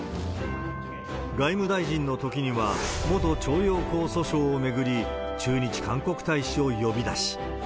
外務大臣のときには、元徴用工訴訟を巡り、駐日韓国大使を呼び出し。